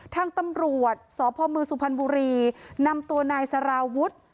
ทางตำรวจสพมสุพรรณบุรีนำตัวนายสารวุฒิ